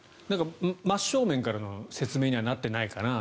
真正面からの説明にはなってないかなと。